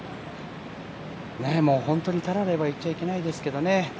本当にたられば言っちゃいけないんですけどね